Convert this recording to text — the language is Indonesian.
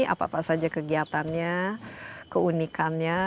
apa apa saja kegiatannya keunikannya